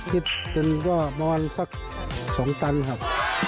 คิดเป็นก็ประมาณสัก๒ตันครับ